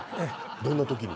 どんな時に？